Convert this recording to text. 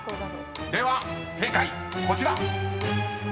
では正解こちら！］